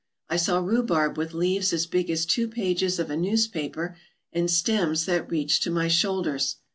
I saw rhubarb with leaves as big as two pages of a newspaper and stems that reached to my shoulders.